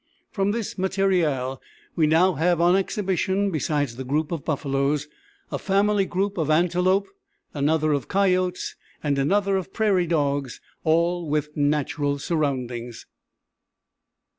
From this matériel we now have on exhibition besides the group of buffaloes, a family group of antelope, another of coyotes, and another of prairie dogs, all with natural surroundings.